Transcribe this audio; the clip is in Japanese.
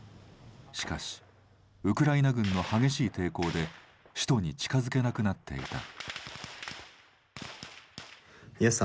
しかし、ウクライナ軍の激しい抵抗で首都に近づけなくなっていた。